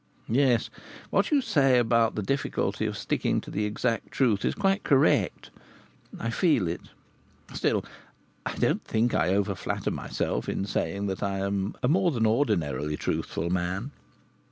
Yes, what you say about the difficulty of sticking to the exact truth is quite correct. I feel it. Still, I don't think I over flatter myself in saying that I am a more than ordinarily truthful man.